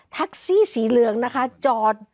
ทักซี่สีเหลืองจอด